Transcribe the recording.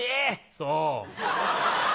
そう。